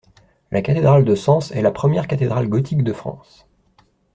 La cathédrale de Sens est la première cathédrale gothique de France.